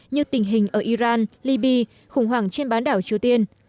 như tình hình ở iran libya khủng hoảng trên bán đảo triều tiên